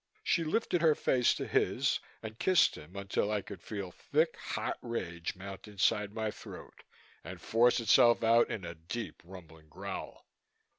She lifted her face to his and kissed him until I could feel thick, hot rage mount inside my throat and force itself out in a deep rumbling growl.